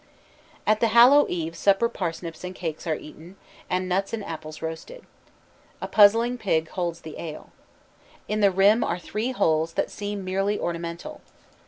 At the Hallow Eve supper parsnips and cakes are eaten, and nuts and apples roasted. A "puzzling jug" holds the ale. In the rim are three holes that seem merely ornamental.